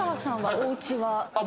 おうちは？